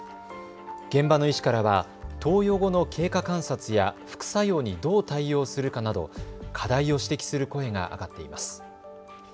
現場の医師からは投与後の経過観察や副作用にどう対応するかなど課題を指摘する声が上がっています。